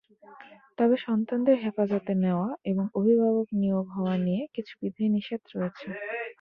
তবে সন্তানদের হেফাজতে নেওয়া এবং অভিভাবক নিয়োগ হওয়া নিয়ে কিছু বিধিনিষেধ রয়েছে।